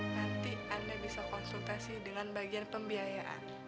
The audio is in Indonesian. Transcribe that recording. nanti anda bisa konsultasi dengan bagian pembiayaan